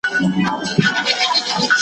چي هر څه تلاښ کوې نه به ټولیږي .